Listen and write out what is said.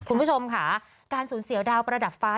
คุณผู้ชมค่ะการสูญเสียดาวประดับฟ้า